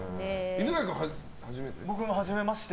犬飼君は初めて？